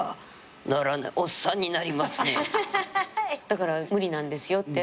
だから無理なんですよって。